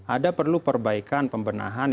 ada perlu perbaikan pembenahan